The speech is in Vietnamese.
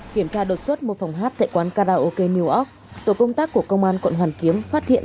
kiểm tra đột xuất một phòng hát tại quán karaoke new ork tổ công tác của công an quận hoàn kiếm phát hiện